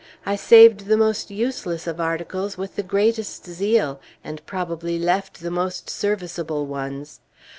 I saved the most useless of articles with the greatest zeal, and probably left the most serviceable ones.